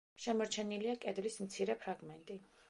შემორჩენილია კედლის მცირე ფრაგმენტი.